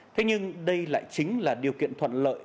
thế nhưng đây lại chính là điều kiện thuận lợi